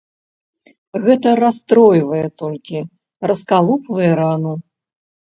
Гэта расстройвае толькі, раскалупвае рану.